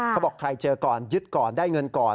เขาบอกใครเจอก่อนยึดก่อนได้เงินก่อน